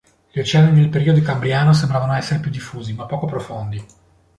Gli oceani nel periodo Cambriano sembrano essere diffusi, ma poco profondi.